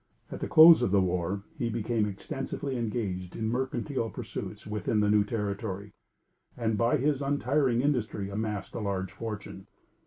At the close of the war, he became extensively engaged in mercantile pursuits within the New Territory, and, by his untiring industry amassed a large fortune.